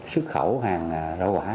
xuất khẩu hàng rau quả